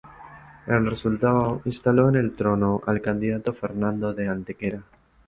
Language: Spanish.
El resultado instaló en el trono al candidato Fernando de Antequera.